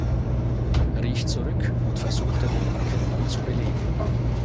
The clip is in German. Rich zurück und versuchte die Marke neu zu beleben.